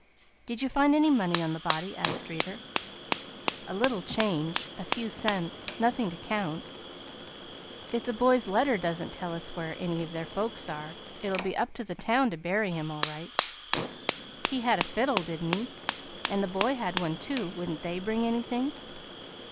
"Did you find any money on the body?" asked Streeter. "A little change a few cents. Nothing to count. If the boy's letter doesn't tell us where any of their folks are, it'll be up to the town to bury him all right." "He had a fiddle, didn't he? And the boy had one, too. Wouldn't they bring anything?"